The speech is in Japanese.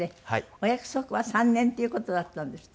お約束は３年っていう事だったんですって？